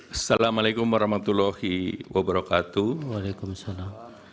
assalamu alaikum warahmatullahi wabarakatuh